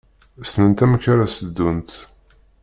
Ssnent amek ara s-ddunt.